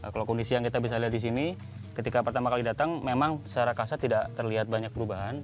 kalau kondisi yang kita bisa lihat di sini ketika pertama kali datang memang secara kasat tidak terlihat banyak perubahan